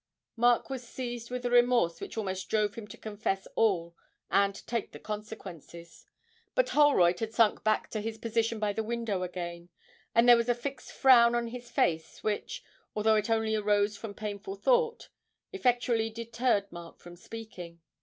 Mark was seized with a remorse which almost drove him to confess all and take the consequences; but Holroyd had sunk back to his position by the window again, and there was a fixed frown on his face which, although it only arose from painful thought, effectually deterred Mark from speaking.